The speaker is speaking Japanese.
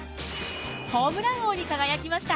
ホームラン王に輝きました。